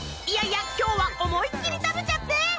いやいや今日は思いっきり食べちゃって。